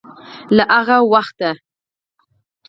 له هغه وخته